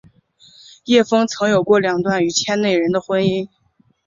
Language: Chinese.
叶枫曾有过两段与圈内人的婚姻。